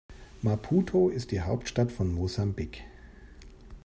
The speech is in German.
Maputo ist die Hauptstadt von Mosambik.